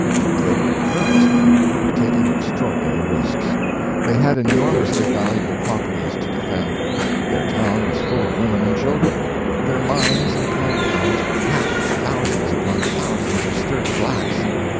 If they were in earnest, they were taking extraordinary risks. They had enormously valuable properties to defend; their town was full of women and children; their mines and compounds were packed with thousands upon thousands of sturdy blacks.